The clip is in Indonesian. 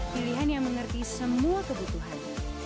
pilihan yang mengerti semua kebutuhan